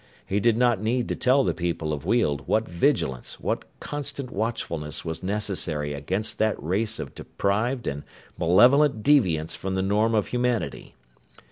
He did not need to tell the people of Weald what vigilance, what constant watchfulness was necessary against that race of deprived and malevolent deviants from the norm of humanity.